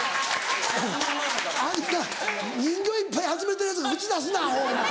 あんな人形いっぱい集めてるヤツが口出すなアホ。